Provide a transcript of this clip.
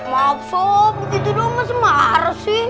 maap sop begitu dong gak semara sih